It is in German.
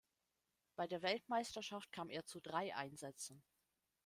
Bei der Weltmeisterschaft kam er zu drei Einsätzen.